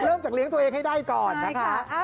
เริ่มจากเลี้ยงตัวเองให้ได้ก่อนนะคะ